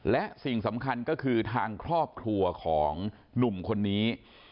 และสิ่งสำคัญก็คือทางครอบครัวของหนุ่มคนนี้